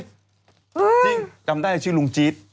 จริงจำได้ชื่อลุงจี๊ด